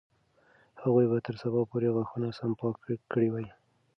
هغوی به تر سبا پورې غاښونه سم پاک کړي وي.